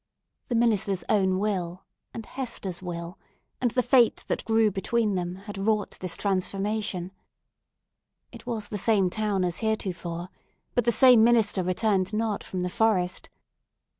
The minister's own will, and Hester's will, and the fate that grew between them, had wrought this transformation. It was the same town as heretofore, but the same minister returned not from the forest.